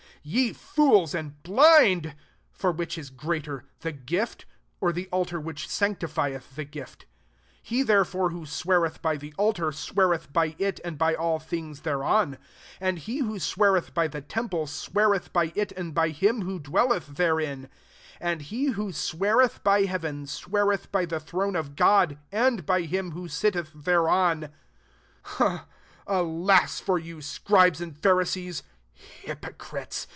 19 Ye [fools, and] blind for which is greater; the gii or the altar which sanctifiei the gift ? 20 He therefore wt sweareth by the altar, sweard by it, and by all thmgs thereo| 21 And he who sweareth I the temple, sweareth by it ai by Him who dwelleth there? 22 And he who sweareth I heaven, sweareth by the throi of God, and by Him who sittei thereon. 23 " Alas for you, Scribes Pharisees, hypocrites!